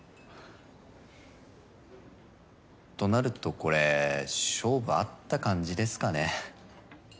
となるとこれ勝負あった感じですかね？